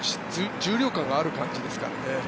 重量感がある感じですからね。